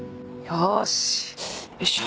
よいしょよいしょ。